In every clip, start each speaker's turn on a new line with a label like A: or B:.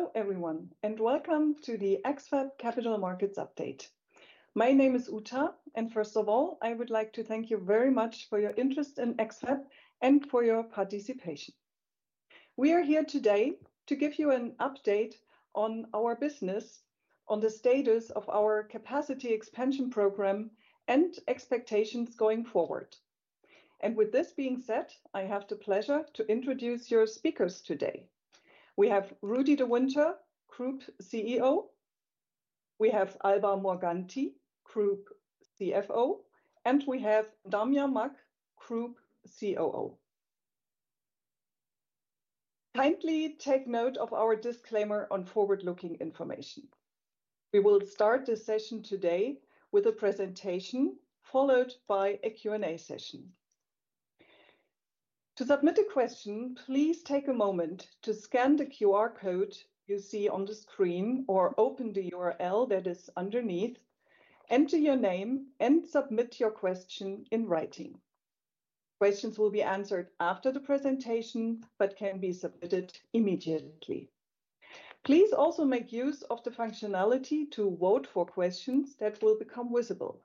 A: Hello everyone, and welcome to the X-FAB capital markets update. My name is Uta, and first of all, I would like to thank you very much for your interest in X-FAB and for your participation. We are here today to give you an update on our business, on the status of our capacity expansion program, and expectations going forward. And with this being said, I have the pleasure to introduce your speakers today. We have Rudi De Winter, Group CEO. We have Alba Morganti, Group CFO, and we have Damien Macq, Group COO. Kindly take note of our disclaimer on forward-looking information. We will start this session today with a presentation followed by a Q&A session. To submit a question, please take a moment to scan the QR code you see on the screen or open the URL that is underneath, enter your name, and submit your question in writing. Questions will be answered after the presentation but can be submitted immediately. Please also make use of the functionality to vote for questions that will become visible.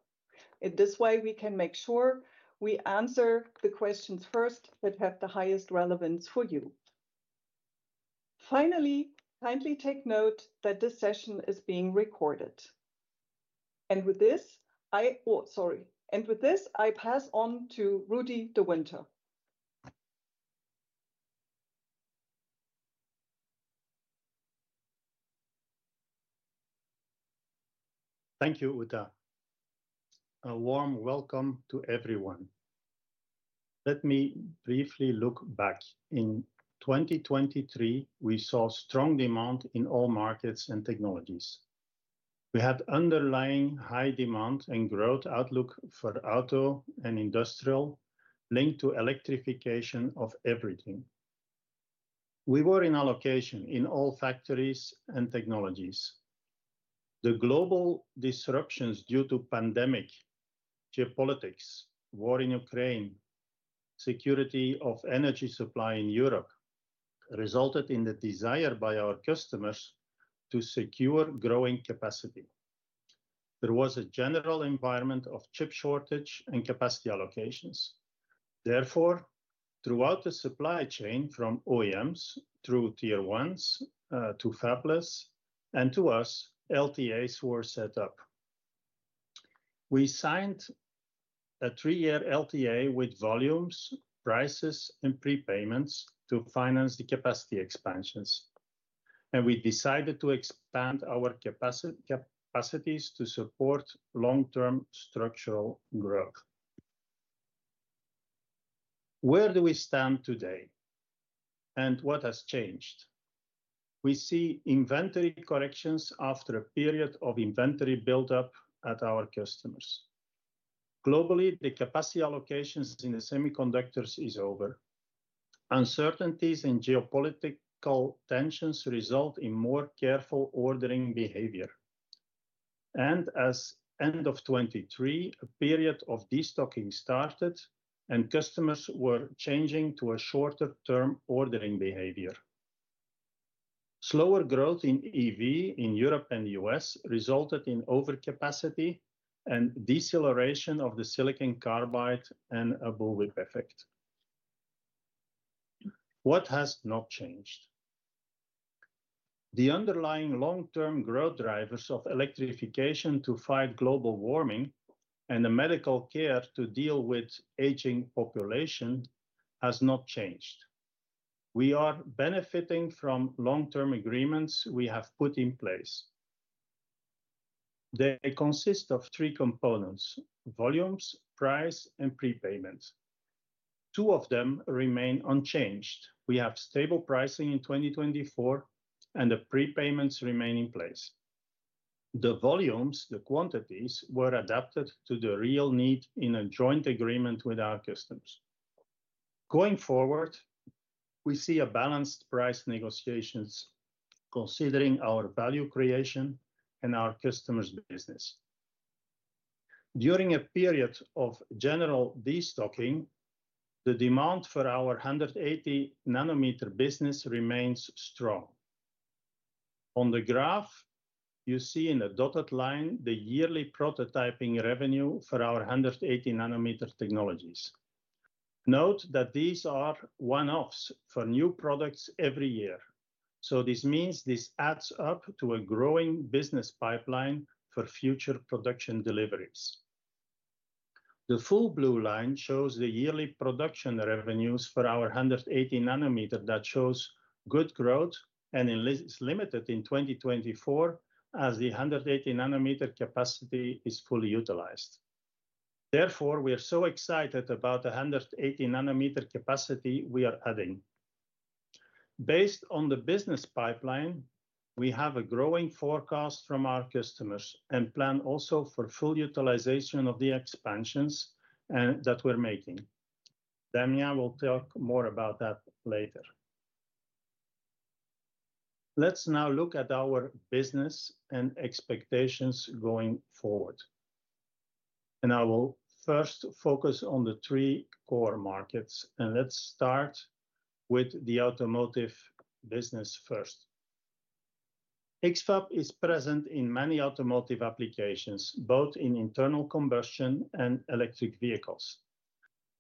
A: In this way, we can make sure we answer the questions first that have the highest relevance for you. Finally, kindly take note that this session is being recorded, and with this, I pass on to Rudi De Winter.
B: Thank you, Uta. A warm welcome to everyone. Let me briefly look back. In 2023, we saw strong demand in all markets and technologies. We had underlying high demand and growth outlook for auto and industrial linked to electrification of everything. We were in allocation in all factories and technologies. The global disruptions due to pandemic, geopolitics, war in Ukraine, and security of energy supply in Europe resulted in the desire by our customers to secure growing capacity. There was a general environment of chip shortage and capacity allocations. Therefore, throughout the supply chain from OEMs through tier ones to fabless and to us, LTAs were set up. We signed a three-year LTA with volumes, prices, and prepayments to finance the capacity expansions, and we decided to expand our capacities to support long-term structural growth. Where do we stand today, and what has changed? We see inventory corrections after a period of inventory buildup at our customers. Globally, the capacity allocations in the semiconductors are over. Uncertainties and geopolitical tensions result in more careful ordering behavior and as end of 2023, a period of destocking started, and customers were changing to a shorter-term ordering behavior. Slower growth in EV in Europe and the U.S. resulted in overcapacity and deceleration of the silicon carbide and a bullwhip effect. What has not changed? The underlying long-term growth drivers of electrification to fight global warming and the medical care to deal with aging population have not changed. We are benefiting from long-term agreements we have put in place. They consist of three components: volumes, price, and prepayments. Two of them remain unchanged. We have stable pricing in 2024, and the prepayments remain in place. The volumes, the quantities, were adapted to the real need in a joint agreement with our customers. Going forward, we see balanced price negotiations considering our value creation and our customers' business. During a period of general destocking, the demand for our 180 nm business remains strong. On the graph, you see in a dotted line the yearly prototyping revenue for our 180 nm technologies. Note that these are one-offs for new products every year. So this means this adds up to a growing business pipeline for future production deliveries. The full blue line shows the yearly production revenues for our 180 nm that shows good growth and is limited in 2024 as the 180 nm capacity is fully utilized. Therefore, we are so excited about the 180 nm capacity we are adding. Based on the business pipeline, we have a growing forecast from our customers and plan also for full utilization of the expansions that we're making. Damien will talk more about that later. Let's now look at our business and expectations going forward, and I will first focus on the three core markets, and let's start with the automotive business first. X-FAB is present in many automotive applications, both in internal combustion and electric vehicles.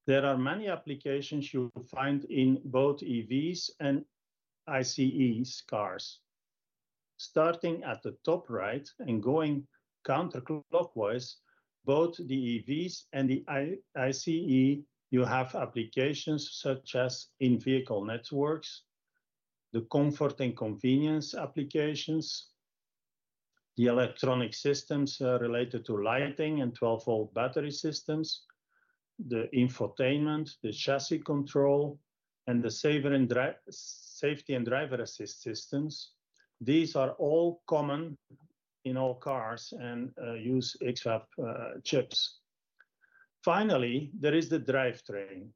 B: There are many applications you will find in both EVs and ICE cars. Starting at the top right and going counterclockwise, both the EVs and the ICE, you have applications such as in vehicle networks, the comfort and convenience applications, the electronic systems related to lighting and 12 V battery systems, the infotainment, the chassis control, and the safety and driver assist systems. These are all common in all cars and use X-FAB chips. Finally, there is the drivetrain.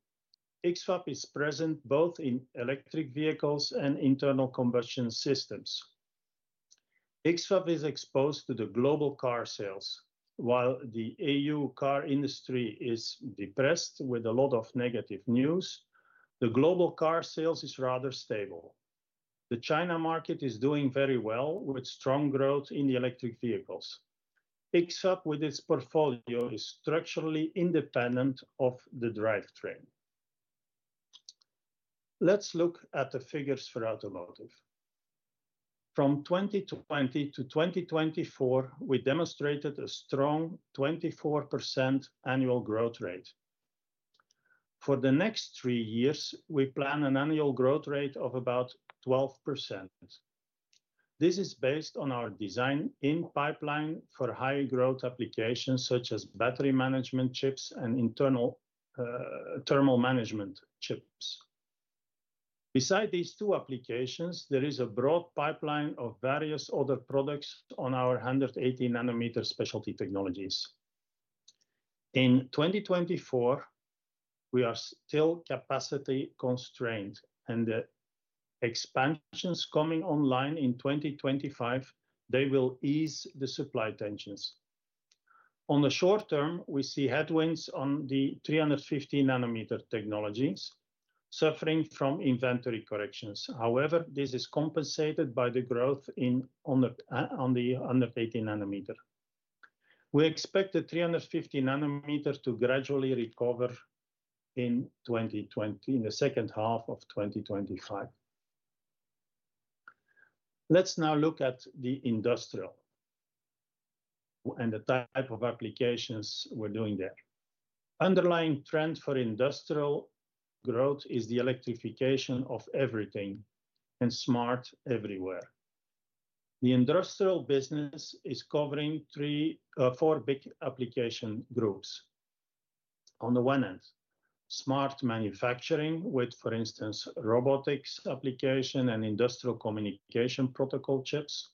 B: X-FAB is present both in electric vehicles and internal combustion systems. X-FAB is exposed to the global car sales. While the EU car industry is depressed with a lot of negative news, the global car sales are rather stable. The China market is doing very well with strong growth in electric vehicles. X-FAB, with its portfolio, is structurally independent of the drivetrain. Let's look at the figures for automotive. From 2020 to 2024, we demonstrated a strong 24% annual growth rate. For the next three years, we plan an annual growth rate of about 12%. This is based on our design-in pipeline for high-growth applications such as battery management chips and internal thermal management chips. Besides these two applications, there is a broad pipeline of various other products on our 180 nm specialty technologies. In 2024, we are still capacity constrained, and the expansions coming online in 2025, they will ease the supply tensions. On the short term, we see headwinds on the 350 nm technologies suffering from inventory corrections. However, this is compensated by the growth on the 180 nm. We expect the 350 nm to gradually recover in the second half of 2025. Let's now look at the industrial and the type of applications we're doing there. The underlying trend for industrial growth is the electrification of everything and smart everywhere. The industrial business is covering four big application groups. On the one end, smart manufacturing with, for instance, robotics application and industrial communication protocol chips.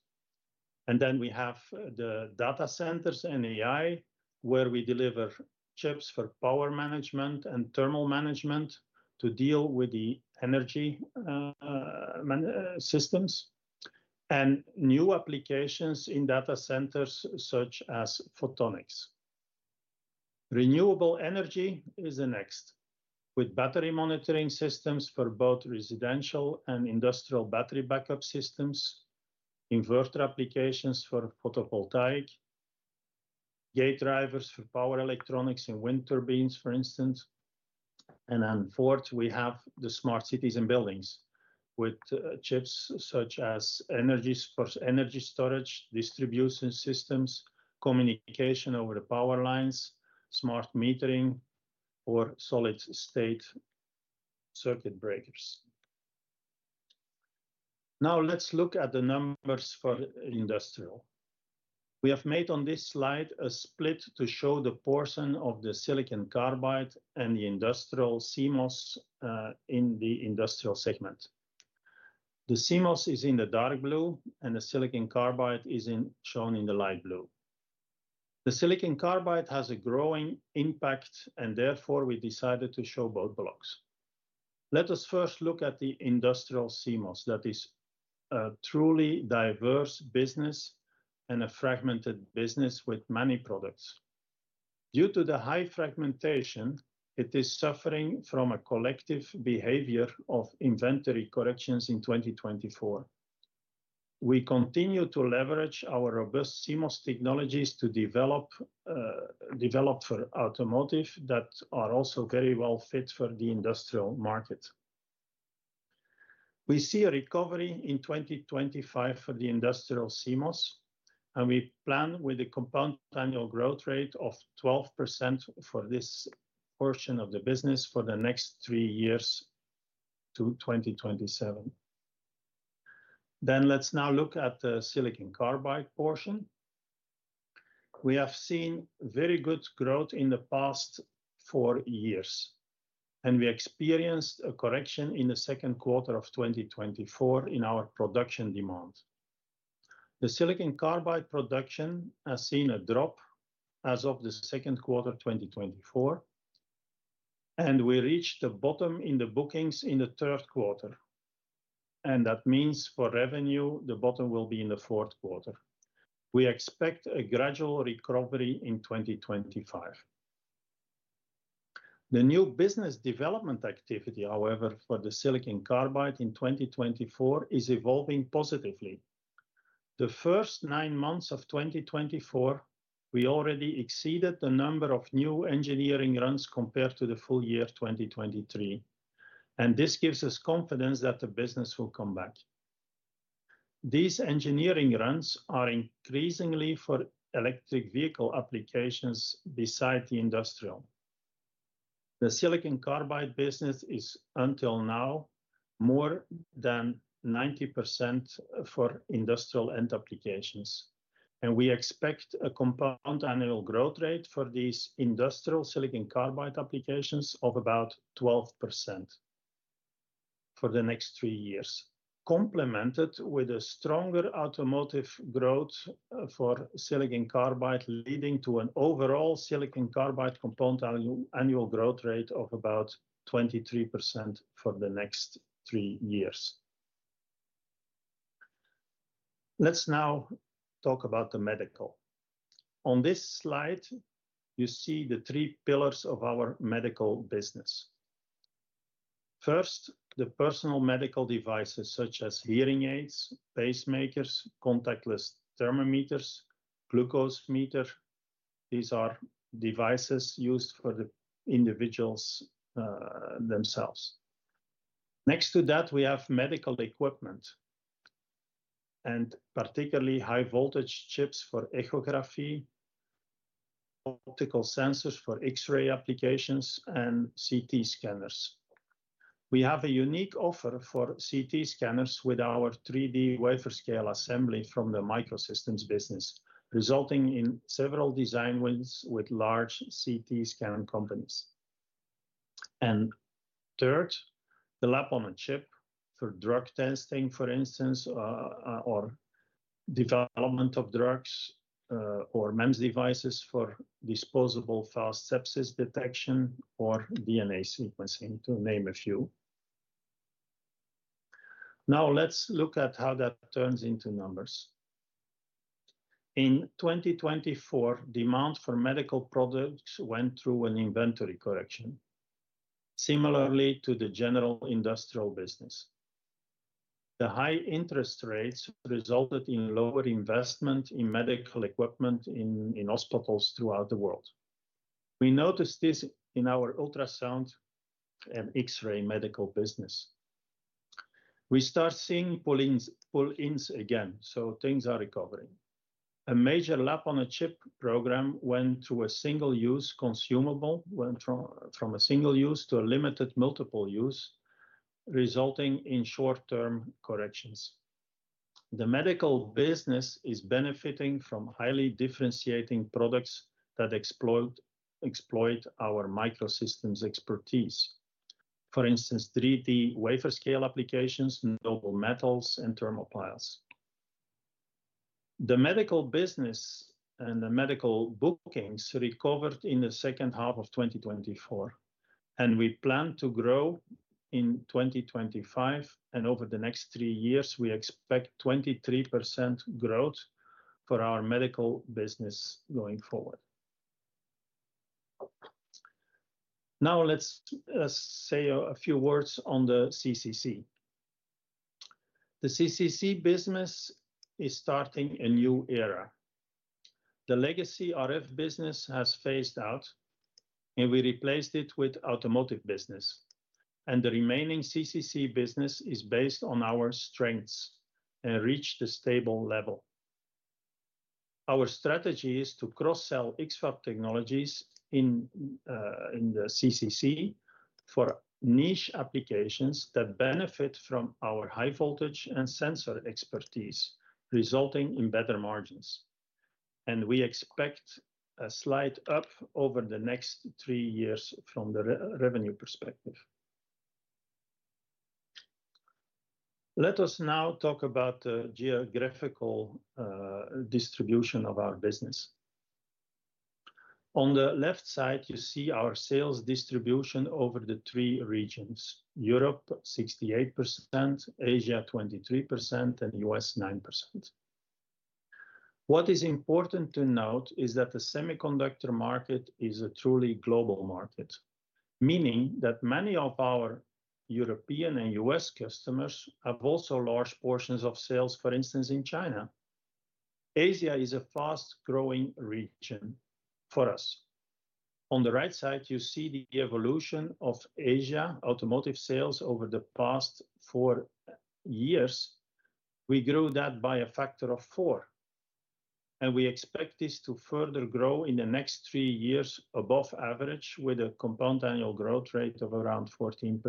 B: And then we have the data centers and AI, where we deliver chips for power management and thermal management to deal with the energy systems and new applications in data centers such as photonics. Renewable energy is the next, with battery monitoring systems for both residential and industrial battery backup systems, inverter applications for photovoltaic, gate drivers for power electronics and wind turbines, for instance, and then fourth, we have the smart cities and buildings with chips such as energy storage, distribution systems, communication over the power lines, smart metering, or solid-state circuit breakers. Now let's look at the numbers for industrial. We have made on this slide a split to show the portion of the silicon carbide and the industrial CMOS in the industrial segment. The CMOS is in the dark blue, and the silicon carbide is shown in the light blue. The silicon carbide has a growing impact, and therefore we decided to show both blocks. Let us first look at the industrial CMOS that is a truly diverse business and a fragmented business with many products. Due to the high fragmentation, it is suffering from a collective behavior of inventory corrections in 2024. We continue to leverage our robust CMOS technologies developed for automotive that are also very well fit for the industrial market. We see a recovery in 2025 for the industrial CMOS, and we plan with a compound annual growth rate of 12% for this portion of the business for the next three years to 2027. Then let's now look at the silicon carbide portion. We have seen very good growth in the past four years, and we experienced a correction in the second quarter of 2024 in our production demand. The silicon carbide production has seen a drop as of the second quarter of 2024, and we reached the bottom in the bookings in the third quarter, and that means for revenue, the bottom will be in the fourth quarter. We expect a gradual recovery in 2025. The new business development activity, however, for the silicon carbide in 2024 is evolving positively. The first nine months of 2024, we already exceeded the number of new engineering runs compared to the full year 2023, and this gives us confidence that the business will come back. These engineering runs are increasingly for electric vehicle applications beside the industrial. The silicon carbide business is until now more than 90% for industrial end applications, and we expect a compound annual growth rate for these industrial silicon carbide applications of about 12% for the next three years, complemented with a stronger automotive growth for silicon carbide leading to an overall silicon carbide compound annual growth rate of about 23% for the next three years. Let's now talk about the medical. On this slide, you see the three pillars of our medical business. First, the personal medical devices such as hearing aids, pacemakers, contactless thermometers, glucose meters. These are devices used for the individuals themselves. Next to that, we have medical equipment and particularly high voltage chips for echography, optical sensors for X-ray applications, and CT scanners. We have a unique offer for CT scanners with our 3D wafer scale assembly from the microsystems business, resulting in several design wins with large CT scan companies. And third, the lab on a chip for drug testing, for instance, or development of drugs or MEMS devices for disposable fast sepsis detection or DNA sequencing, to name a few. Now let's look at how that turns into numbers. In 2024, demand for medical products went through an inventory correction, similarly to the general industrial business. The high interest rates resulted in lower investment in medical equipment in hospitals throughout the world. We noticed this in our ultrasound and X-ray medical business. We start seeing pull-ins again, so things are recovering. A major lab on a chip program went to a single-use consumable from a single-use to a limited multiple use, resulting in short-term corrections. The medical business is benefiting from highly differentiating products that exploit our microsystems expertise, for instance, 3D wafer scale applications, noble metals, and thermopiles. The medical business and the medical bookings recovered in the second half of 2024, and we plan to grow in 2025. And over the next three years, we expect 23% growth for our medical business going forward. Now let's say a few words on the CCC. The CCC business is starting a new era. The legacy RF business has phased out, and we replaced it with automotive business. And the remaining CCC business is based on our strengths and reached a stable level. Our strategy is to cross-sell X-FAB technologies in the CCC for niche applications that benefit from our high voltage and sensor expertise, resulting in better margins. We expect a slight up over the next three years from the revenue perspective. Let us now talk about the geographical distribution of our business. On the left side, you see our sales distribution over the three regions: Europe, 68%; Asia, 23%; and the U.S., 9%. What is important to note is that the semiconductor market is a truly global market, meaning that many of our European and U.S. customers have also large portions of sales, for instance, in China. Asia is a fast-growing region for us. On the right side, you see the evolution of Asia automotive sales over the past four years. We grew that by a factor of four, and we expect this to further grow in the next three years above average with a compound annual growth rate of around 14%.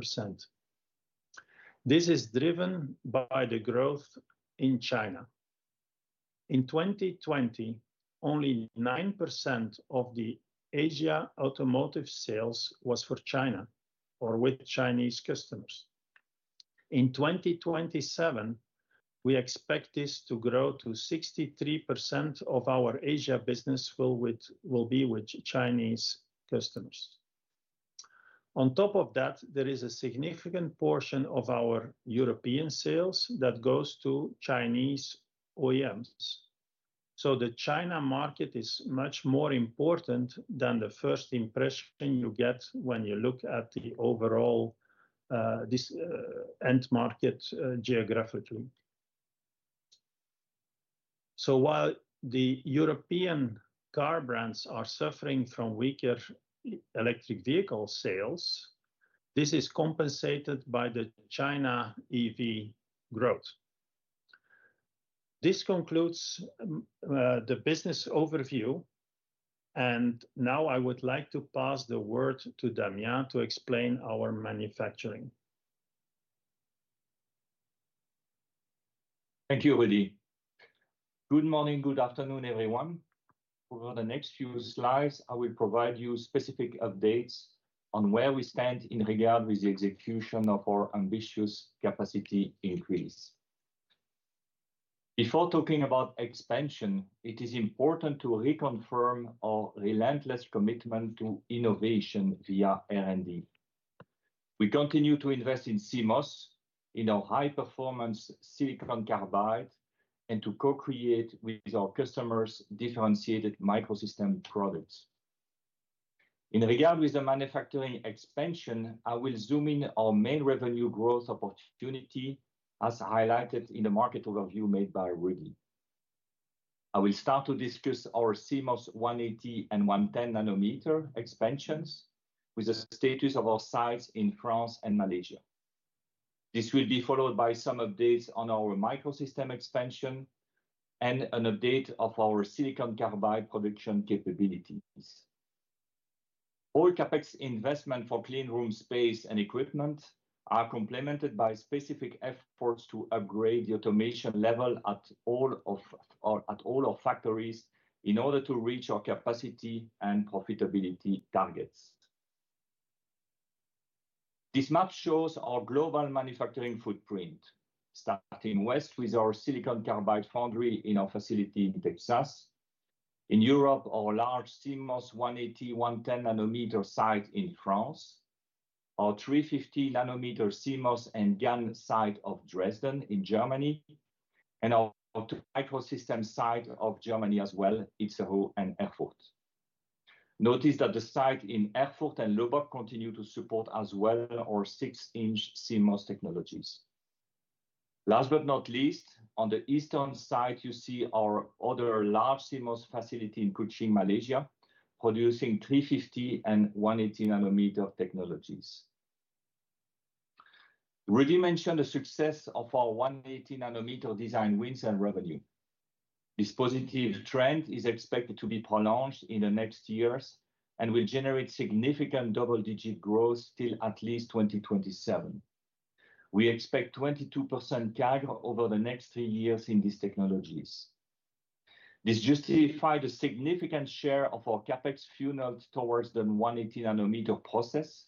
B: This is driven by the growth in China. In 2020, only 9% of the Asia automotive sales was for China or with Chinese customers. In 2027, we expect this to grow to 63% of our Asia business will be with Chinese customers. On top of that, there is a significant portion of our European sales that goes to Chinese OEMs, so the China market is much more important than the first impression you get when you look at the overall end market geographically, so while the European car brands are suffering from weaker electric vehicle sales, this is compensated by the China EV growth. This concludes the business overview. Now I would like to pass the word to Damien to explain our manufacturing.
C: Thank you, Rudi. Good morning, good afternoon, everyone. Over the next few slides, I will provide you specific updates on where we stand in regard with the execution of our ambitious capacity increase. Before talking about expansion, it is important to reconfirm our relentless commitment to innovation via R&D. We continue to invest in CMOS, in our high-performance silicon carbide, and to co-create with our customers differentiated microsystem products. In regard with the manufacturing expansion, I will zoom in our main revenue growth opportunity as highlighted in the market overview made by Rudi. I will start to discuss our CMOS 180 nm and 110 nm expansions with the status of our sites in France and Malaysia. This will be followed by some updates on our microsystem expansion and an update of our silicon carbide production capabilities. All Capex investment for clean room space and equipment are complemented by specific efforts to upgrade the automation level at all of our factories in order to reach our capacity and profitability targets. This map shows our global manufacturing footprint, starting west with our silicon carbide foundry in our facility in Texas, in Europe our large CMOS 180 nm and 110 nm site in France, our 350 nm CMOS and GaN site in Dresden in Germany, and our microsystem site in Germany as well, Itzehoe and Erfurt. Notice that the site in Erfurt and Lubbock continue to support as well our 6 in CMOS technologies. Last but not least, on the eastern side, you see our other large CMOS facility in Kuching, Malaysia, producing 350- and 180 nm technologies. Rudi mentioned the success of our 180 nm design wins and revenue. This positive trend is expected to be prolonged in the next years and will generate significant double-digit growth till at least 2027. We expect 22% CAGR over the next three years in these technologies. This justifies a significant share of our CapEx fueled towards the 180 nm process.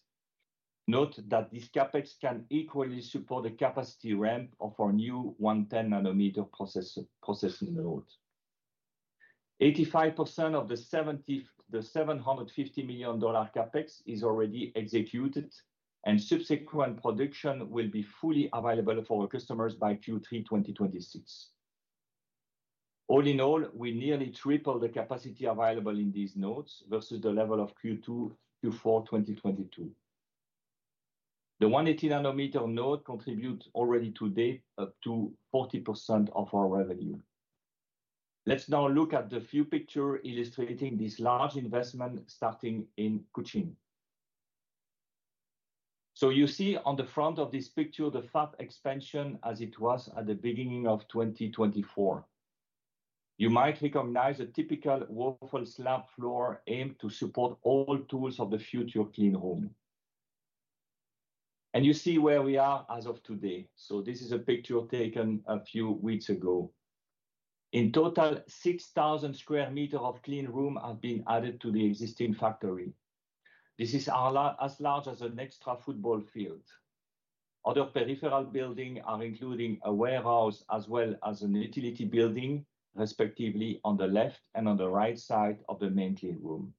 C: Note that this CapEx can equally support the capacity ramp of our new 110 nm processing node. 85% of the $750 million CapEx is already executed, and subsequent production will be fully available for our customers by Q3 2026. All in all, we nearly tripled the capacity available in these nodes versus the level of Q2, Q4 2022. The 180 nm node contributes already today up to 40% of our revenue. Let's now look at the few pictures illustrating this large investment starting in Kuching. So you see on the front of this picture the fab expansion as it was at the beginning of 2024. You might recognize a typical waffle slab floor aimed to support all tools of the future clean room. And you see where we are as of today. So this is a picture taken a few weeks ago. In total, 6,000 sq m of clean room have been added to the existing factory. This is as large as an extra football field. Other peripheral buildings are including a warehouse as well as a utility building, respectively on the left and on the right side of the main clean room.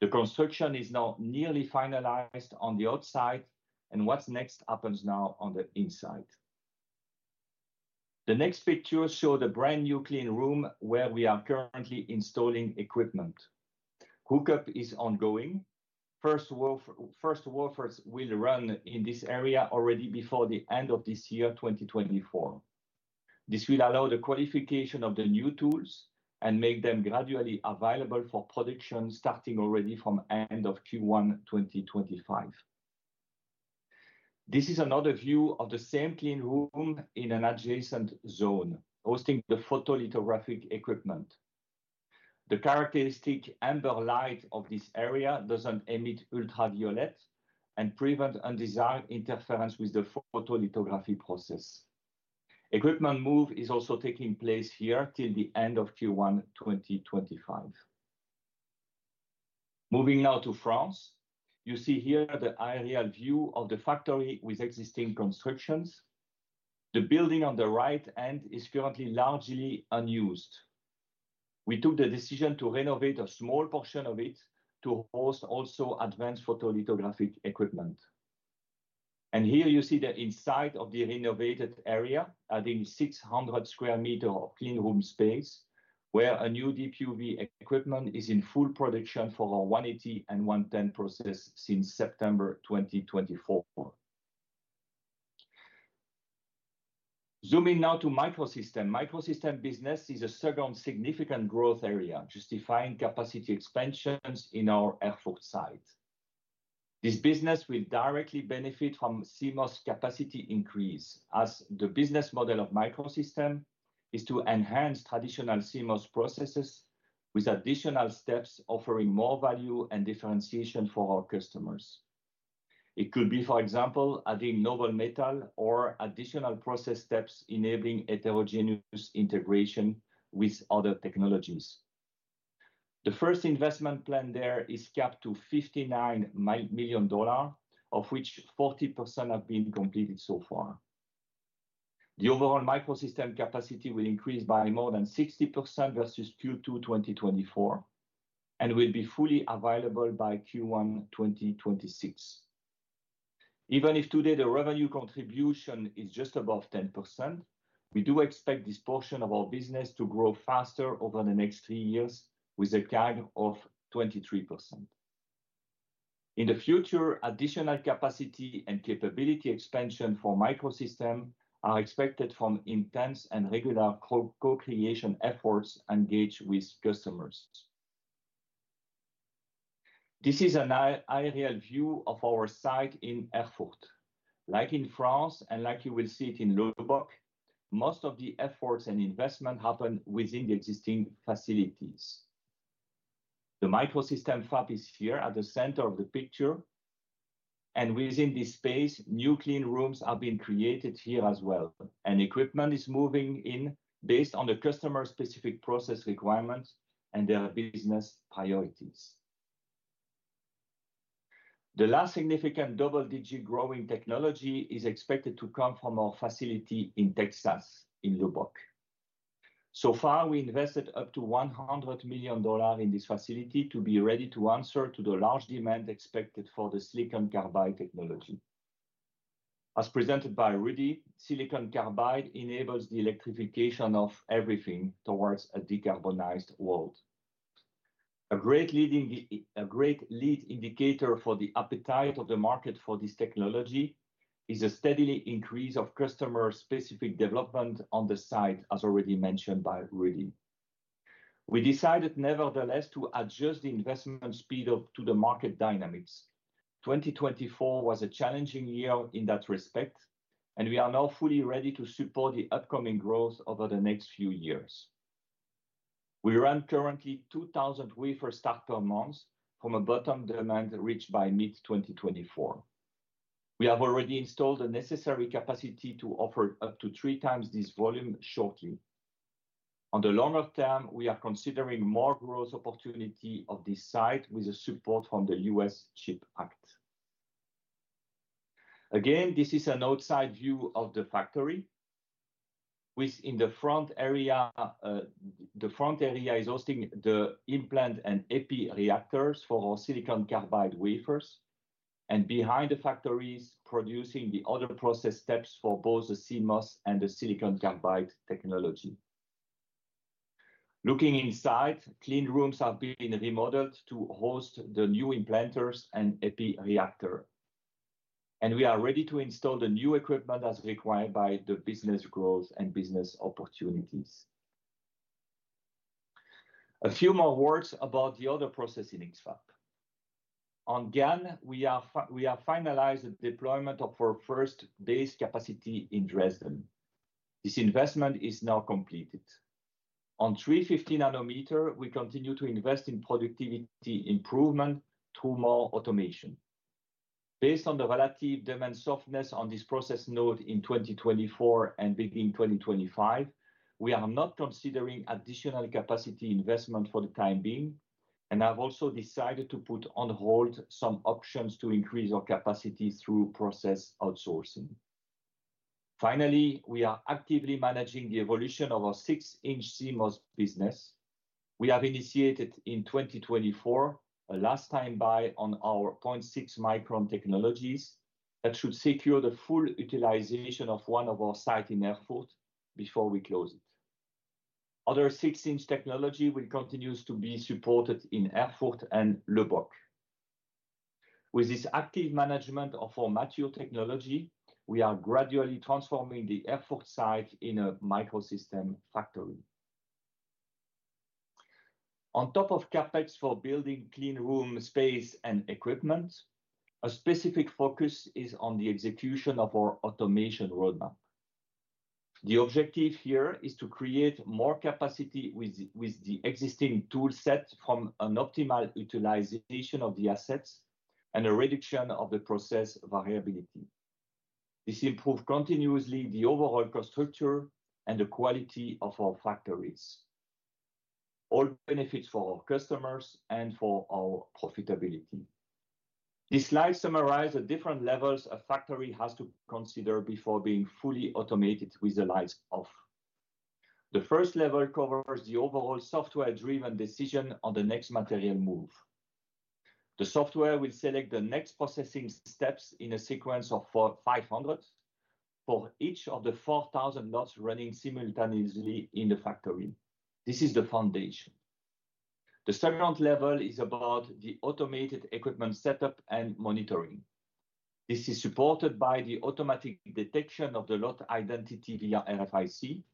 C: The construction is now nearly finalized on the outside, and what's next happens now on the inside. The next picture shows the brand new clean room where we are currently installing equipment. Hookup is ongoing. First wafers will run in this area already before the end of this year, 2024. This will allow the qualification of the new tools and make them gradually available for production starting already from the end of Q1 2025. This is another view of the same clean room in an adjacent zone hosting the photolithographic equipment. The characteristic amber light of this area doesn't emit ultraviolet and prevents undesired interference with the photolithography process. Equipment move is also taking place here till the end of Q1 2025. Moving now to France, you see here the aerial view of the factory with existing constructions. The building on the right end is currently largely unused. We took the decision to renovate a small portion of it to host also advanced photolithographic equipment. Here you see the inside of the renovated area, adding 600 sq m of clean room space where a new DPUV equipment is in full production for our 180 and 110 process since September 2024. Zooming now to microsystems. Microsystems business is a second significant growth area justifying capacity expansions in our Erfurt site. This business will directly benefit from CMOS capacity increase as the business model of microsystems is to enhance traditional CMOS processes with additional steps offering more value and differentiation for our customers. It could be, for example, adding noble metal or additional process steps enabling heterogeneous integration with other technologies. The first investment plan there is capped to $59 million, of which 40% have been completed so far. The overall microsystems capacity will increase by more than 60% versus Q2 2024 and will be fully available by Q1 2026. Even if today the revenue contribution is just above 10%, we do expect this portion of our business to grow faster over the next three years with a CAGR of 23%. In the future, additional capacity and capability expansion for microsystem are expected from intense and regular co-creation efforts engaged with customers. This is an aerial view of our site in Erfurt. Like in France and like you will see it in Lubbock, most of the efforts and investment happen within the existing facilities. The microsystem FAB is here at the center of the picture. And within this space, new clean rooms have been created here as well. And equipment is moving in based on the customer-specific process requirements and their business priorities. The last significant double-digit growing technology is expected to come from our facility in Texas in Lubbock. So far, we invested up to $100 million in this facility to be ready to answer to the large demand expected for the silicon carbide technology. As presented by Rudi, silicon carbide enables the electrification of everything towards a decarbonized world. A great lead indicator for the appetite of the market for this technology is a steady increase of customer-specific development on the site, as already mentioned by Rudi. We decided nevertheless to adjust the investment speed to the market dynamics. 2024 was a challenging year in that respect, and we are now fully ready to support the upcoming growth over the next few years. We run currently 2,000 wafer start per month from a bottom demand reached by mid-2024. We have already installed the necessary capacity to offer up to three times this volume shortly. On the longer term, we are considering more growth opportunities of this site with support from the U.S. CHIPS Act. Again, this is an outside view of the factory. In the front area, the front area is hosting the implant and EPI reactors for our silicon carbide wafers, and behind the factory is producing the other process steps for both the CMOS and the silicon carbide technology. Looking inside, clean rooms have been remodeled to host the new implanters and EPI reactor, and we are ready to install the new equipment as required by the business growth and business opportunities. A few more words about the other process in X-FAB. On GaN, we have finalized the deployment of our first base capacity in Dresden. This investment is now completed. On 350 nm, we continue to invest in productivity improvement through more automation. Based on the relative demand softness on this process node in 2024 and beginning 2025, we are not considering additional capacity investment for the time being, and have also decided to put on hold some options to increase our capacity through process outsourcing. Finally, we are actively managing the evolution of our 6 in CMOS business. We have initiated in 2024 a last-time buy on our 0.6 μm technologies that should secure the full utilization of one of our sites in Erfurt before we close it. Other 6 in technology will continue to be supported in Erfurt and Lubbock. With this active management of our mature technology, we are gradually transforming the Erfurt site into a microsystem factory. On top of CapEx for building clean room space and equipment, a specific focus is on the execution of our automation roadmap. The objective here is to create more capacity with the existing toolset from an optimal utilization of the assets and a reduction of the process variability. This improves continuously the overall infrastructure and the quality of our factories. All benefits for our customers and for our profitability. This slide summarizes the different levels a factory has to consider before being fully automated with the lights off. The first level covers the overall software-driven decision on the next material move. The software will select the next processing steps in a sequence of 500 for each of the 4,000 lots running simultaneously in the factory. This is the foundation. The second level is about the automated equipment setup and monitoring. This is supported by the automatic detection of the lot identity via RFIC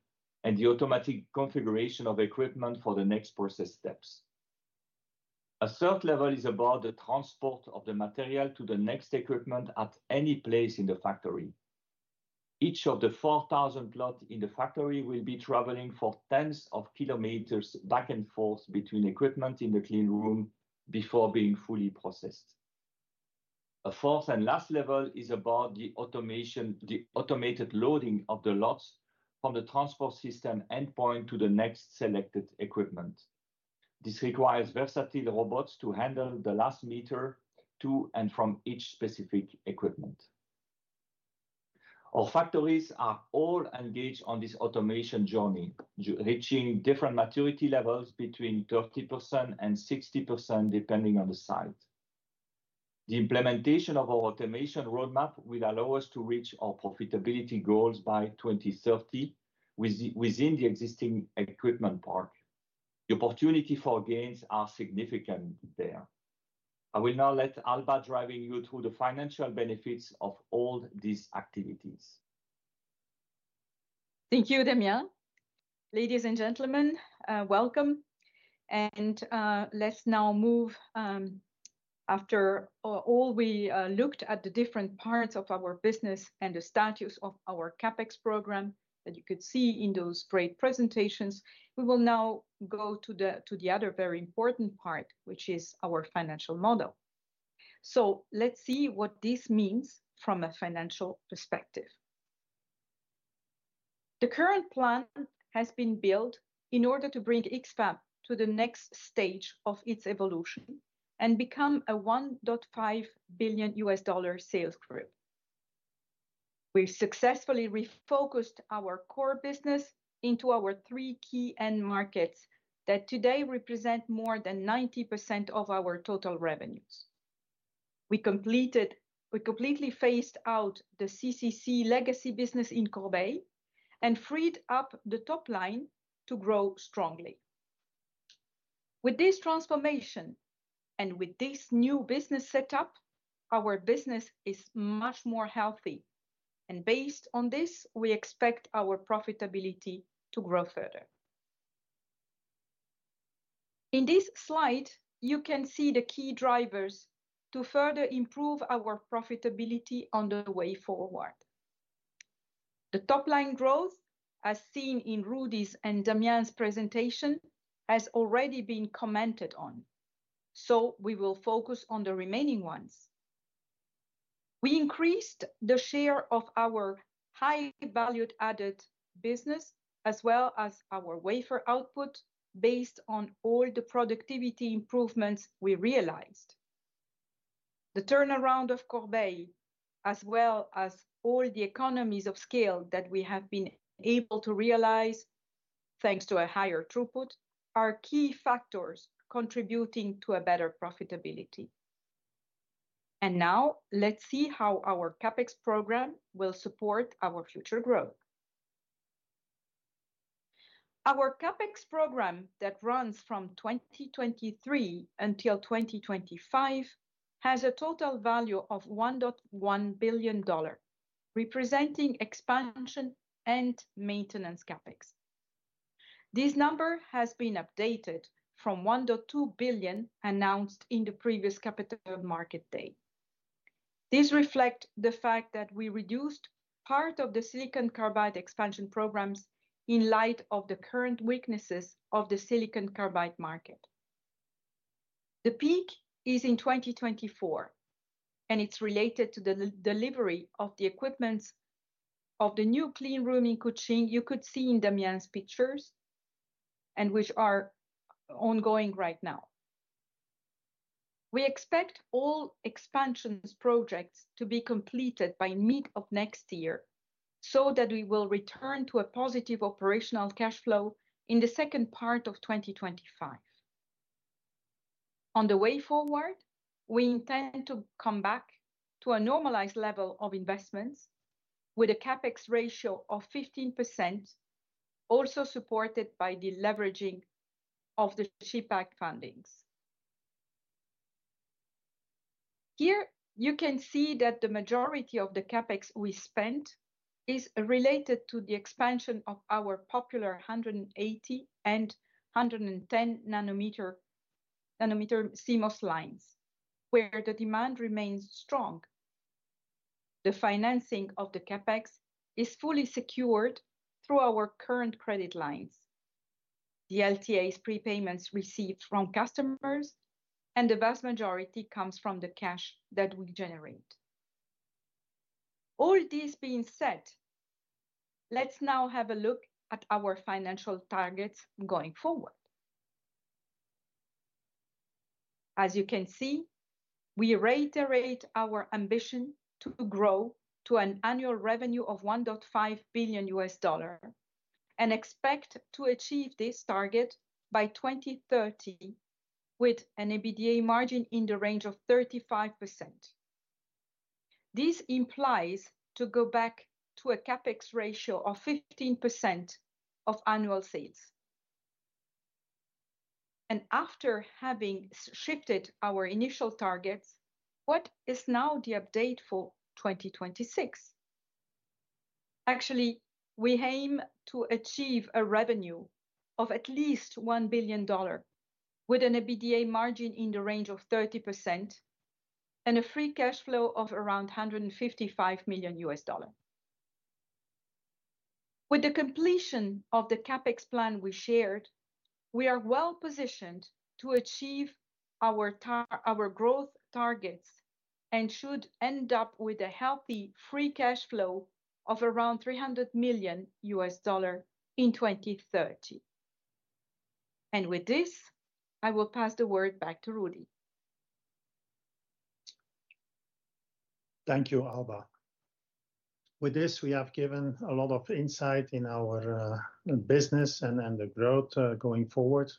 C: and the automatic configuration of equipment for the next process steps. A third level is about the transport of the material to the next equipment at any place in the factory. Each of the 4,000 lots in the factory will be traveling for tens of kilometers back and forth between equipment in the clean room before being fully processed. A fourth and last level is about the automated loading of the lots from the transport system endpoint to the next selected equipment. This requires versatile robots to handle the last meter to and from each specific equipment. Our factories are all engaged on this automation journey, reaching different maturity levels between 30% and 60% depending on the site. The implementation of our automation roadmap will allow us to reach our profitability goals by 2030 within the existing equipment park. The opportunities for gains are significant there. I will now let Alba drive you through the financial benefits of all these activities.
D: Thank you, Damien. Ladies and gentlemen, welcome, and let's now move. After all, we looked at the different parts of our business and the status of our CapEx program that you could see in those great presentations. We will now go to the other very important part, which is our financial model, so let's see what this means from a financial perspective. The current plan has been built in order to bring X-FAB to the next stage of its evolution and become a $1.5 billion U.S. dollar sales group. We successfully refocused our core business into our three key end markets that today represent more than 90% of our total revenues. We completely phased out the CCC legacy business in Corbeil and freed up the top line to grow strongly. With this transformation and with this new business setup, our business is much more healthy. And based on this, we expect our profitability to grow further. In this slide, you can see the key drivers to further improve our profitability on the way forward. The top line growth, as seen in Rudi's and Damien's presentation, has already been commented on. So we will focus on the remaining ones. We increased the share of our high-value-added business as well as our wafer output based on all the productivity improvements we realized. The turnaround of Corbeil, as well as all the economies of scale that we have been able to realize thanks to a higher throughput, are key factors contributing to a better profitability. And now, let's see how our CapEx program will support our future growth. Our CapEx program that runs from 2023 until 2025 has a total value of $1.1 billion, representing expansion and maintenance CapEx. This number has been updated from $1.2 billion announced in the previous Capital Market Day. This reflects the fact that we reduced part of the silicon carbide expansion programs in light of the current weaknesses of the silicon carbide market. The peak is in 2024, and it's related to the delivery of the equipment of the new clean room in Kuching, you could see in Damien's pictures, and which are ongoing right now. We expect all expansion projects to be completed by mid of next year so that we will return to a positive operational cash flow in the second part of 2025. On the way forward, we intend to come back to a normalized level of investments with a CapEx ratio of 15%, also supported by the leveraging of the CHIPS Act fundings. Here, you can see that the majority of the Capex we spent is related to the expansion of our popular 180 nm and 110 nm CMOS lines, where the demand remains strong. The financing of the Capex is fully secured through our current credit lines, the LTAs prepayments received from customers, and the vast majority comes from the cash that we generate. All this being said, let's now have a look at our financial targets going forward. As you can see, we reiterate our ambition to grow to an annual revenue of $1.5 billion and expect to achieve this target by 2030 with an EBITDA margin in the range of 35%. This implies going back to a Capex ratio of 15% of annual sales. And after having shifted our initial targets, what is now the update for 2026? Actually, we aim to achieve a revenue of at least $1 billion with an EBITDA margin in the range of 30% and a free cash flow of around $155 million. With the completion of the CapEx plan we shared, we are well positioned to achieve our growth targets and should end up with a healthy free cash flow of around $300 million in 2030. With this, I will pass the word back to Rudi.
B: Thank you, Alba. With this, we have given a lot of insight in our business and the growth going forward.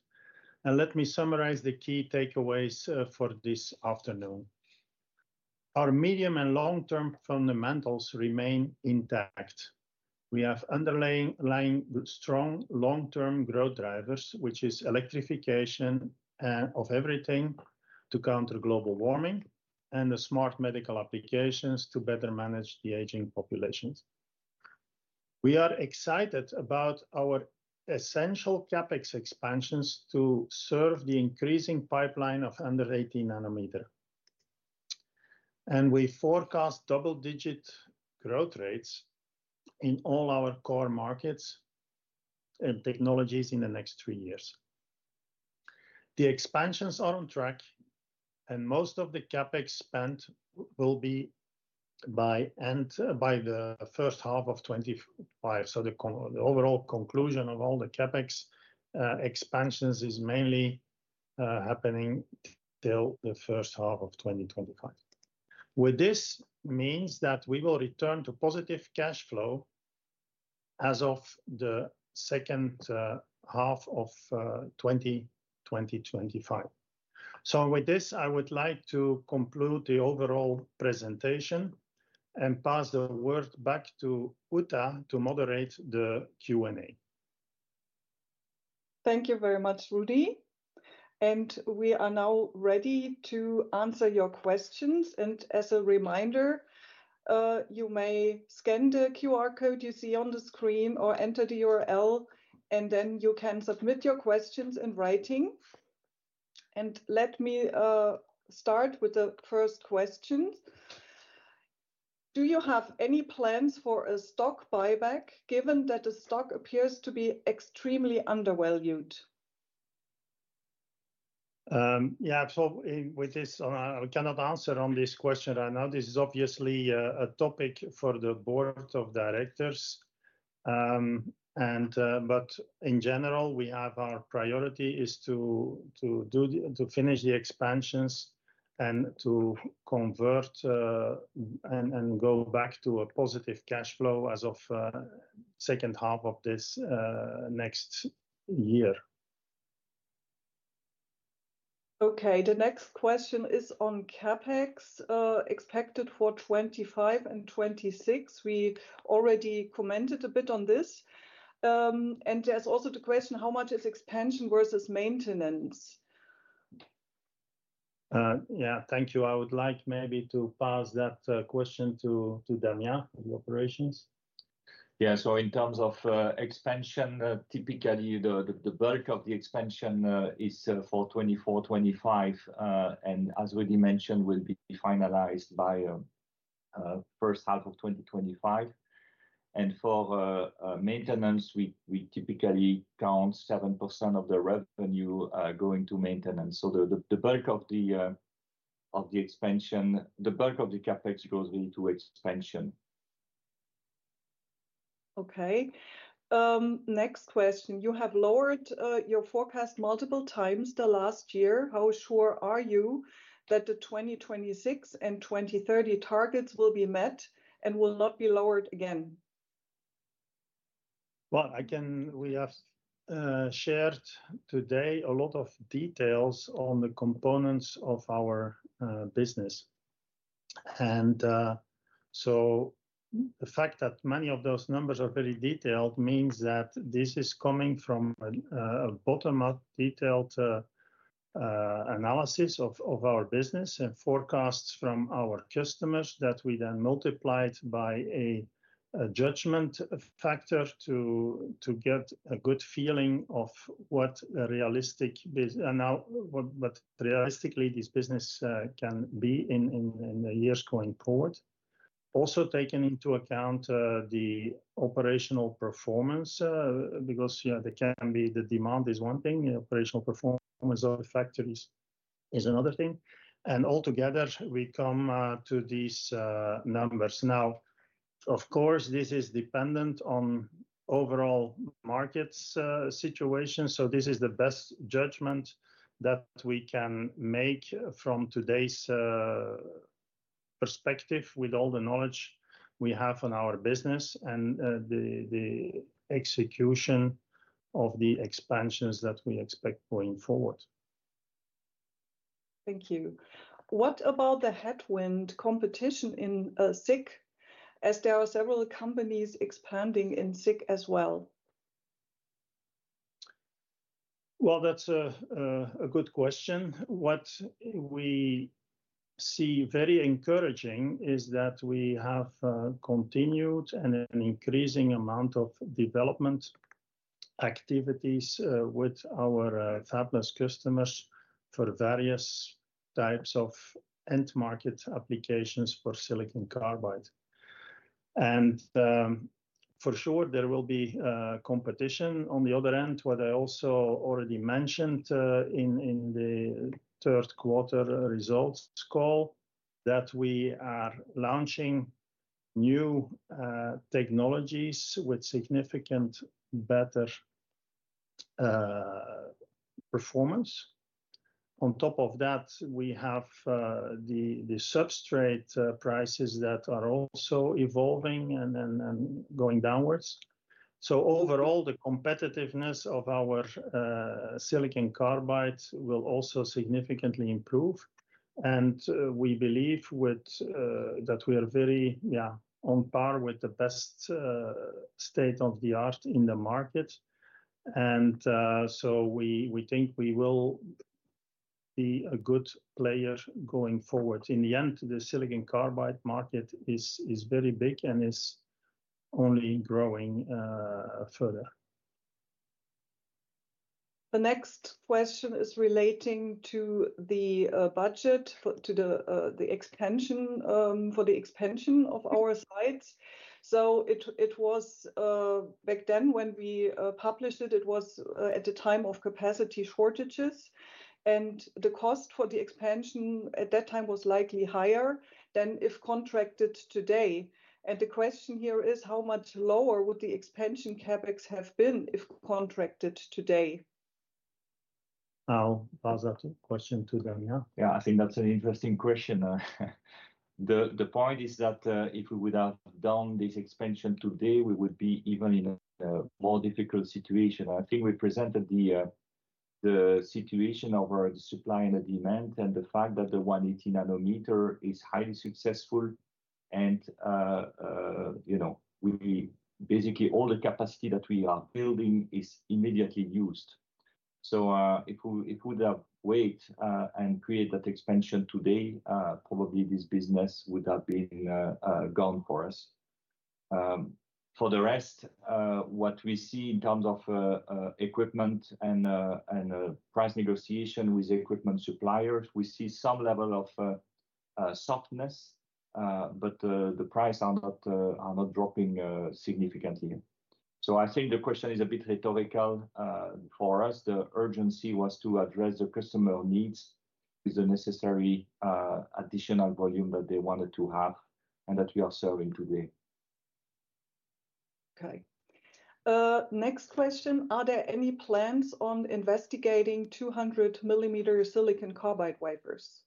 B: Let me summarize the key takeaways for this afternoon. Our medium and long-term fundamentals remain intact. We have underlying strong long-term growth drivers, which are electrification of everything to counter global warming and the smart medical applications to better manage the aging populations. We are excited about our essential CapEx expansions to serve the increasing pipeline of under 180 nm. We forecast double-digit growth rates in all our core markets and technologies in the next three years. The expansions are on track, and most of the CapEx spent will be by the first half of 2025. The overall conclusion of all the CapEx expansions is mainly happening till the first half of 2025. With this, it means that we will return to positive cash flow as of the second half of 2025. With this, I would like to conclude the overall presentation and pass the word back to Uta to moderate the Q&A.
A: Thank you very much, Rudi. We are now ready to answer your questions. As a reminder, you may scan the QR code you see on the screen or enter the URL, and then you can submit your questions in writing. Let me start with the first question. Do you have any plans for a stock buyback, given that the stock appears to be extremely undervalued?
B: Yeah, absolutely. With this, I cannot answer on this question right now. This is obviously a topic for the board of directors. In general, we have our priority to finish the expansions and to convert and go back to a positive cash flow as of the second half of this next year.
A: Okay, the next question is on CapEx expected for 2025 and 2026. We already commented a bit on this. There's also the question, how much is expansion versus maintenance?
B: Yeah, thank you. I would like maybe to pass that question to Damien of the operations.
C: Yeah, so in terms of expansion, typically the bulk of the expansion is for 2024-2025. And as Rudi mentioned, will be finalized by the first half of 2025. And for maintenance, we typically count 7% of the revenue going to maintenance. So the bulk of the expansion, the bulk of the CapEx goes into expansion.
A: Okay. Next question. You have lowered your forecast multiple times the last year. How sure are you that the 2026 and 2030 targets will be met and will not be lowered again?
B: Well, we have shared today a lot of details on the components of our business. And so the fact that many of those numbers are very detailed means that this is coming from a bottom-up detailed analysis of our business and forecasts from our customers that we then multiplied by a judgment factor to get a good feeling of what realistically this business can be in the years going forward. Also taken into account the operational performance, because there can be the demand is one thing, the operational performance of the factories is another thing. And altogether, we come to these numbers. Now, of course, this is dependent on overall market situation. So this is the best judgment that we can make from today's perspective with all the knowledge we have on our business and the execution of the expansions that we expect going forward.
A: Thank you. What about the headwind competition in SiC as there are several companies expanding in SiC as well?
B: That's a good question. What we see very encouraging is that we have continued and an increasing amount of development activities with our fabless customers for various types of end-market applications for silicon carbide. For sure, there will be competition on the other end, what I also already mentioned in the third quarter results call, that we are launching new technologies with significant better performance. On top of that, we have the substrate prices that are also evolving and going downwards. Overall, the competitiveness of our silicon carbide will also significantly improve. We believe that we are very, yeah, on par with the best state of the art in the market. We think we will be a good player going forward. In the end, the silicon carbide market is very big and is only growing further.
A: The next question is relating to the budget, to the expansion for the expansion of our sites. So it was back then when we published it, it was at the time of capacity shortages. And the cost for the expansion at that time was likely higher than if contracted today. And the question here is, how much lower would the expansion CapEx have been if contracted today?
B: I'll pass that question to Damien.
C: Yeah, I think that's an interesting question. The point is that if we would have done this expansion today, we would be even in a more difficult situation. I think we presented the situation over the supply and the demand and the fact that the 180 nm is highly successful. And basically, all the capacity that we are building is immediately used. So if we would have waited and created that expansion today, probably this business would have been gone for us. For the rest, what we see in terms of equipment and price negotiation with equipment suppliers, we see some level of softness, but the prices are not dropping significantly. So I think the question is a bit rhetorical for us. The urgency was to address the customer needs with the necessary additional volume that they wanted to have and that we are serving today.
A: Okay. Next question. Are there any plans on investigating 200 mm silicon carbide wafers?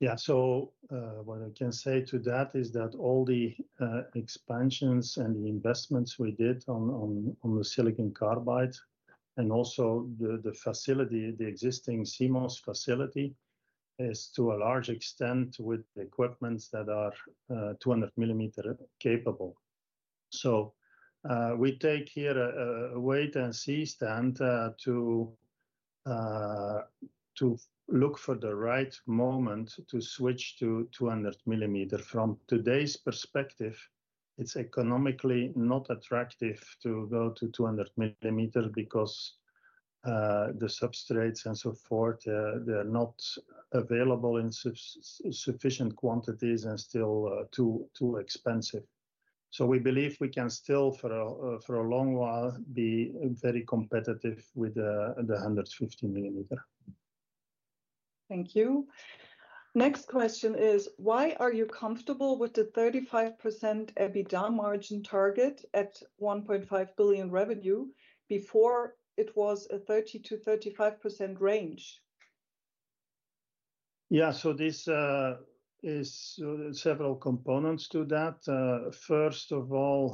B: Yeah, so what I can say to that is that all the expansions and the investments we did on the silicon carbide and also the facility, the existing CMOS facility, is to a large extent with equipment that is 200 mm capable. So we take here a wait-and-see stand to look for the right moment to switch to 200 mm. From today's perspective, it's economically not attractive to go to 200 mm because the substrates and so forth, they're not available in sufficient quantities and still too expensive. So we believe we can still, for a long while, be very competitive with the 150 mm.
A: Thank you. Next question is, why are you comfortable with the 35% EBITDA margin target at $1.5 billion revenue before it was a 30%-35% range?
B: Yeah, so there are several components to that. First of all,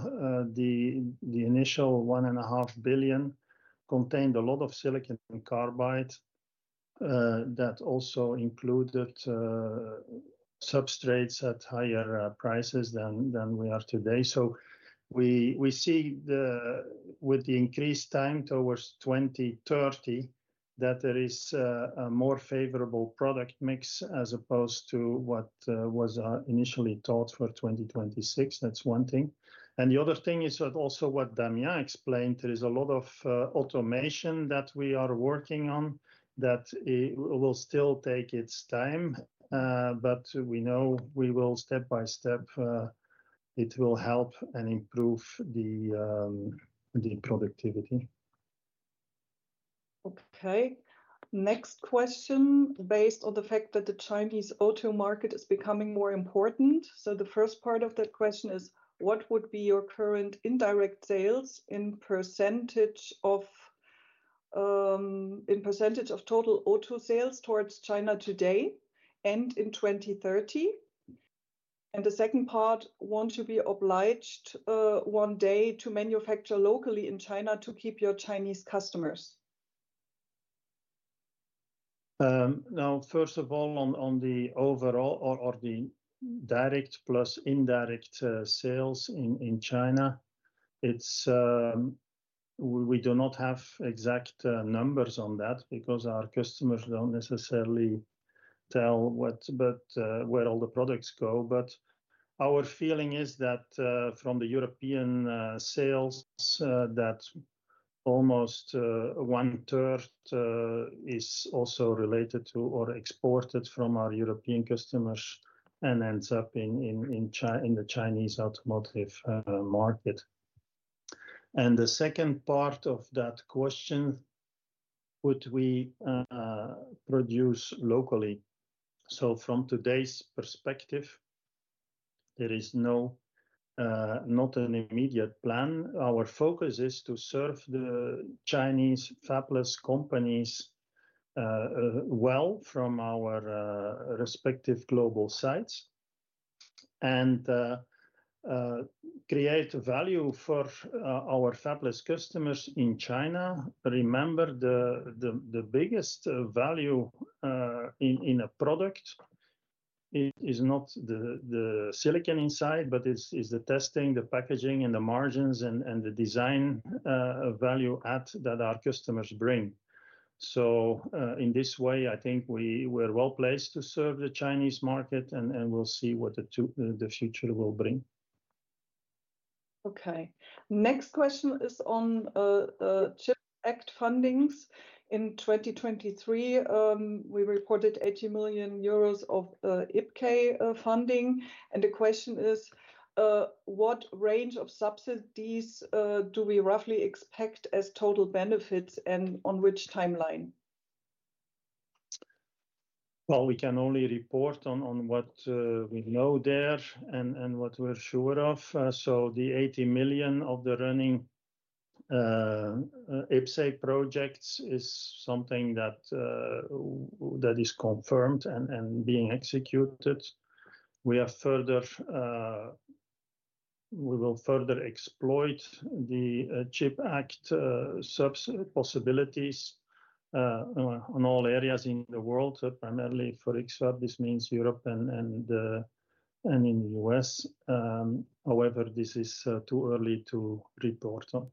B: the initial $1.5 billion contained a lot of silicon carbide that also included substrates at higher prices than we are today. So we see with the increased time towards 2030 that there is a more favorable product mix as opposed to what was initially thought for 2026. That's one thing. And the other thing is that also what Damien explained, there is a lot of automation that we are working on that will still take its time. But we know we will step by step, it will help and improve the productivity.
A: Okay. Next question, based on the fact that the Chinese auto market is becoming more important. So the first part of that question is, what would be your current indirect sales in percentage of total auto sales towards China today and in 2030? And the second part, won't you be obliged one day to manufacture locally in China to keep your Chinese customers?
B: Now, first of all, on the overall or the direct plus indirect sales in China, we do not have exact numbers on that because our customers don't necessarily tell where all the products go. But our feeling is that from the European sales, that almost one-third is also related to or exported from our European customers and ends up in the Chinese automotive market. And the second part of that question, would we produce locally? So from today's perspective, there is not an immediate plan. Our focus is to serve the Chinese fabless companies well from our respective global sites and create value for our fabless customers in China. Remember, the biggest value in a product is not the silicon inside, but it's the testing, the packaging, and the margins and the design value add that our customers bring. So in this way, I think we're well placed to serve the Chinese market, and we'll see what the future will bring.
A: Okay. Next question is on CHIPS Act funding. In 2023, we reported 80 million euros of IPCEI funding. The question is, what range of subsidies do we roughly expect as total benefits and on which timeline?
B: We can only report on what we know there and what we're sure of. The 80 million of the running IPCEI projects is something that is confirmed and being executed. We will further exploit the CHIPS Act possibilities in all areas in the world, primarily for X-FAB. This means Europe and in the U.S. However, this is too early to report on.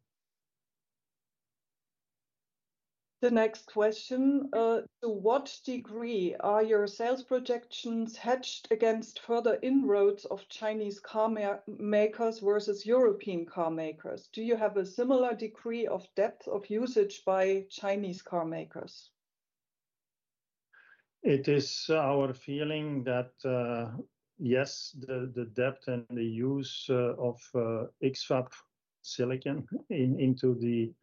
A: The next question, to what degree are your sales projections hedged against further inroads of Chinese carmakers versus European carmakers? Do you have a similar degree of depth of usage by Chinese carmakers?
B: It is our feeling that, yes, the depth and the use of X-FAB silicon into the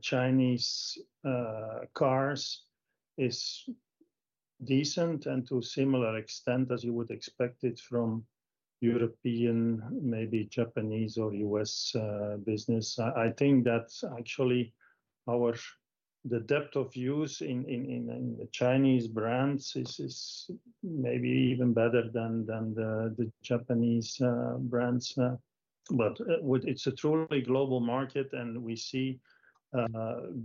B: Chinese cars is decent and to a similar extent as you would expect it from European, maybe Japanese or U.S. business. I think that actually the depth of use in the Chinese brands is maybe even better than the Japanese brands. But it's a truly global market, and we see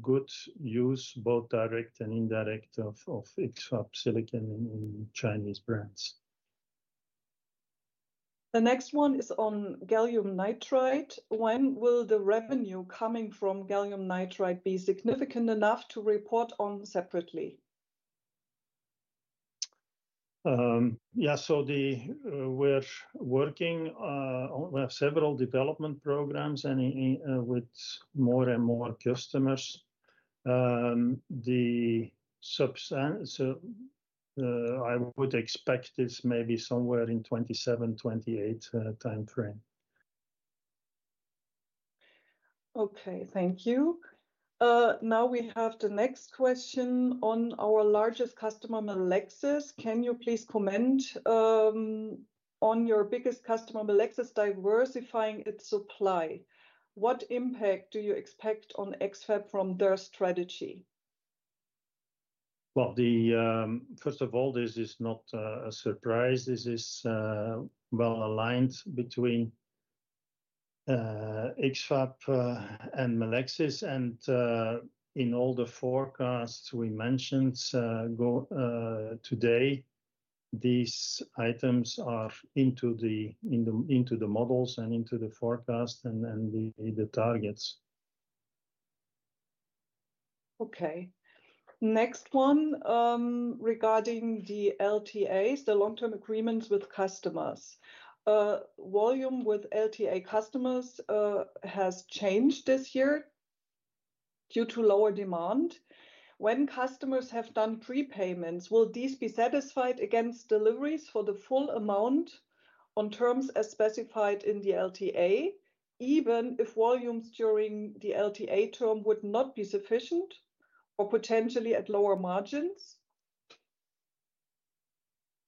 B: good use, both direct and indirect, of X-FAB silicon in Chinese brands.
A: The next one is on gallium nitride. When will the revenue coming from gallium nitride be significant enough to report on separately?
B: Yeah, so we're working on several development programs with more and more customers. I would expect this maybe somewhere in 2027, 2028 timeframe.
A: Okay, thank you. Now we have the next question on our largest customer, Melexis. Can you please comment on your biggest customer, Melexis, diversifying its supply? What impact do you expect on X-FAB from their strategy?
B: Well, first of all, this is not a surprise. This is well aligned between X-FAB and Melexis. And in all the forecasts we mentioned today, these items are into the models and into the forecast and the targets.
A: Okay. Next one regarding the LTAs, the long-term agreements with customers. Volume with LTA customers has changed this year due to lower demand. When customers have done prepayments, will these be satisfied against deliveries for the full amount on terms as specified in the LTA, even if volumes during the LTA term would not be sufficient or potentially at lower margins?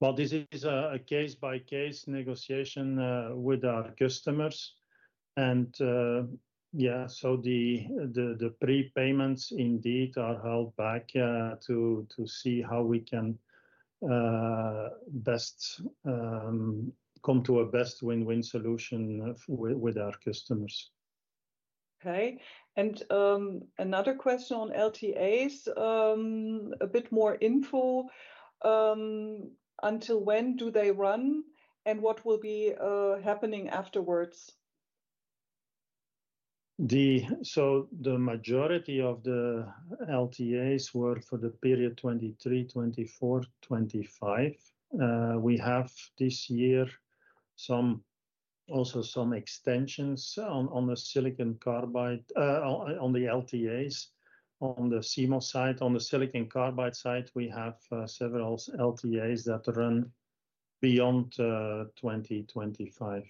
B: Well, this is a case-by-case negotiation with our customers. And yeah, so the prepayments indeed are held back to see how we can best come to a best win-win solution with our customers.
A: Okay. Another question on LTAs, a bit more info. Until when do they run? And what will be happening afterwards?
B: So the majority of the LTAs were for the period 2023, 2024, 2025. We have this year also some extensions on the silicon carbide, on the LTAs, on the CMOS site. On the silicon carbide site, we have several LTAs that run beyond 2025.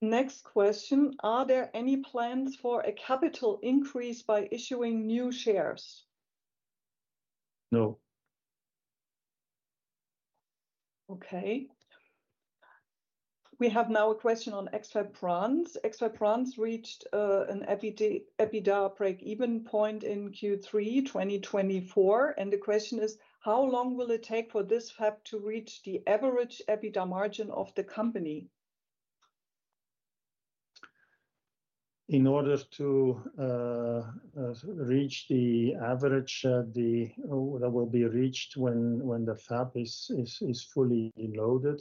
A: Next question, are there any plans for a capital increase by issuing new shares?
B: No.
A: Okay. We have now a question on X-FAB France. X-FAB France reached an EBITDA break-even point in Q3 2024. And the question is, how long will it take for this fab to reach the average EBITDA margin of the company?
B: In order to reach the average that will be reached when the fab is fully loaded.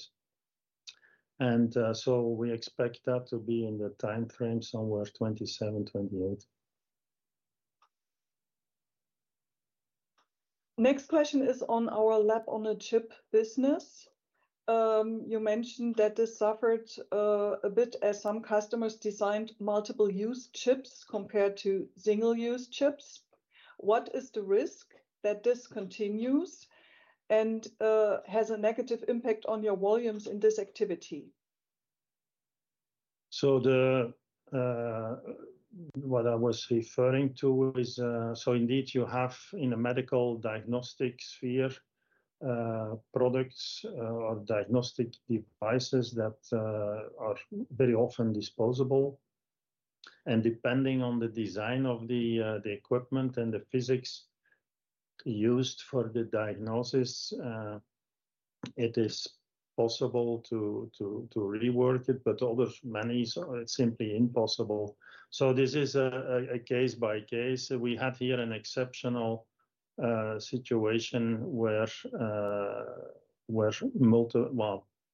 B: And so we expect that to be in the timeframe somewhere 2027, 2028.
A: Next question is on our lab on a chip business. You mentioned that this suffered a bit as some customers designed multiple-use chips compared to single-use chips. What is the risk that this continues and has a negative impact on your volumes in this activity?
B: So what I was referring to is, so indeed, you have in the medical diagnostic sphere products or diagnostic devices that are very often disposable. And depending on the design of the equipment and the physics used for the diagnosis, it is possible to rework it, but many are simply impossible. So this is a case-by-case. We had here an exceptional situation where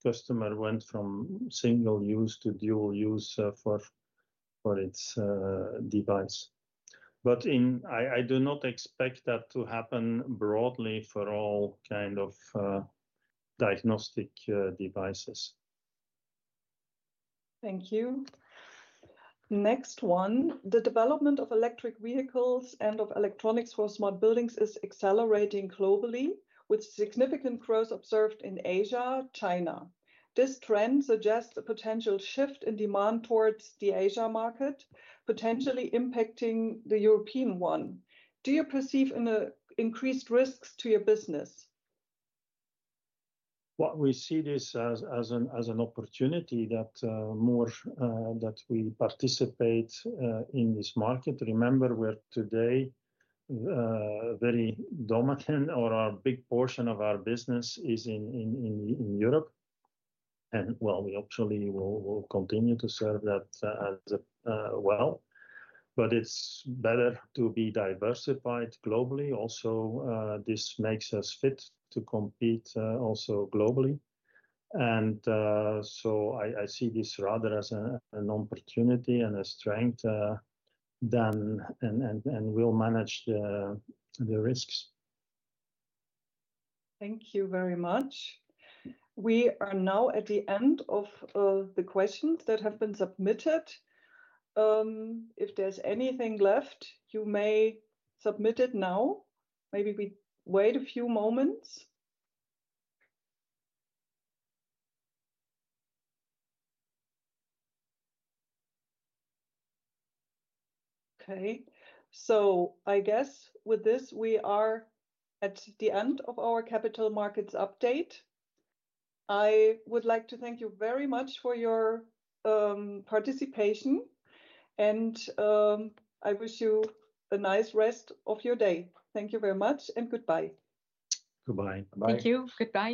B: customers went from single-use to dual-use for its device. But I do not expect that to happen broadly for all kinds of diagnostic devices.
A: Thank you. Next one, the development of electric vehicles and of electronics for smart buildings is accelerating globally with significant growth observed in Asia, China. This trend suggests a potential shift in demand towards the Asia market, potentially impacting the European one. Do you perceive an increased risk to your business?
B: Well, we see this as an opportunity that we participate in this market. Remember, we're today very dominant, or a big portion of our business is in Europe. And well, we actually will continue to serve that as well. But it's better to be diversified globally. Also, this makes us fit to compete also globally. And so I see this rather as an opportunity and a strength and will manage the risks.
A: Thank you very much. We are now at the end of the questions that have been submitted. If there's anything left, you may submit it now. Maybe we wait a few moments. Okay. So I guess with this, we are at the end of our capital markets update. I would like to thank you very much for your participation. And I wish you a nice rest of your day. Thank you very much and goodbye.
B: Goodbye.
D: Thank you. Goodbye.